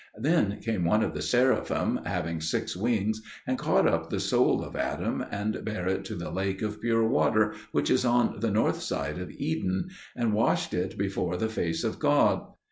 Then came one of the Seraphim, having six wings, and caught up the soul of Adam and bare it to the lake of pure water which is on the north side of Eden, and washed it before the face of God.